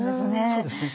そうですね。